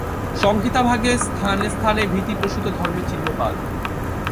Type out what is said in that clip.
সংহিতা ভাগে স্থানে স্থানে ভীতি-প্রসূত ধর্মের চিহ্ন পাওয়া যায়।